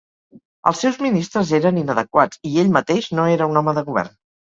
Els seus ministres eren inadequats i ell mateix no era un home de govern.